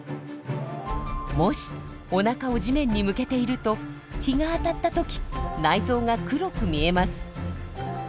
もしおなかを地面に向けていると日が当たったとき内臓が黒く見えます。